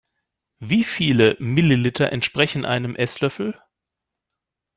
Wie viele Milliliter entsprechen einem Esslöffel?